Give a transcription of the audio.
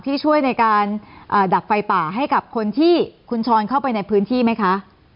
ที่ช่วยในการดับไฟป่าให้กับคนที่คุณช้อนเข้าไปในพื้นที่ไหมคะ